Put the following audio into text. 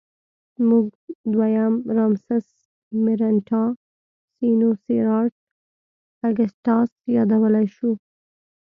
موږ دویم رامسس مېرنټاه سینوسېراټ اګسټاس یادولی شو.